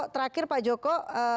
terakhir pak joko